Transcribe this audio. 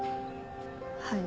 はい。